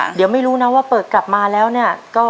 เดี๋ยวไม่รู้นะว่าเปิดกลับมาแล้วเนี่ย